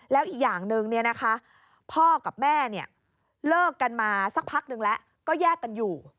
แล้วอีกอย่างหนึ่งพ่อกับแม่เลิกกันมาสักพักนึงแล้วก็แยกกันอยู่